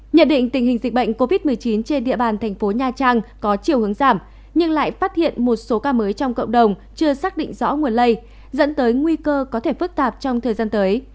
nhận định tình hình dịch bệnh covid một mươi chín trên địa bàn tp nha trang có chiều hướng giảm nhưng lại phát hiện một số ca mới trong cộng đồng chưa xác định rõ nguồn lây